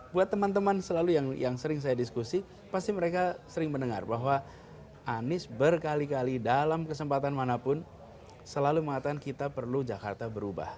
buat teman teman selalu yang sering saya diskusi pasti mereka sering mendengar bahwa anies berkali kali dalam kesempatan manapun selalu mengatakan kita perlu jakarta berubah